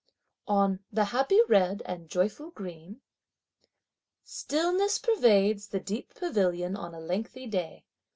On "the happy red and joyful green:" Stillness pervades the deep pavilion on a lengthy day.